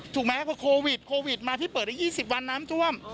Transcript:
ถูกไหมพอโควิดโควิดมาพี่เปิดได้๒๐วันน้ำท่วม